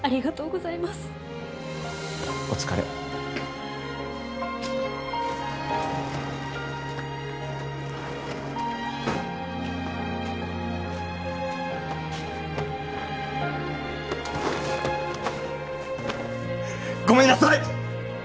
ごめんなさい！